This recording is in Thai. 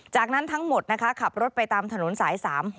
จากนั้นทั้งหมดนะคะขับรถไปตามถนนสาย๓๖